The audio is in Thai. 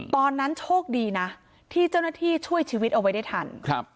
ตอนนั้นโชคดีนะที่เจ้าหน้าที่ช่วยชีวิตเอาไว้ได้ทัน